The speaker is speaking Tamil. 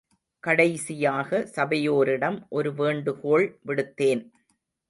கடைசியாக சபையோரிடம் ஒரு வேண்டுகோள் விடுத்தேன்.